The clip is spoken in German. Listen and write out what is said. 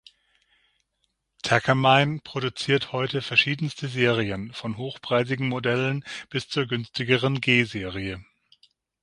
Takamine produziert heute verschiedenste Serien, von hochpreisigen Modellen bis zur günstigeren G-Serie.